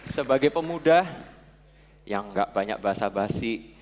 sebagai pemuda yang gak banyak basah basi